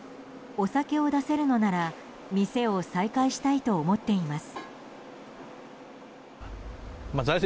お酒を出せるのなら店を再開したいと思っています。